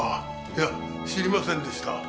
いや知りませんでした。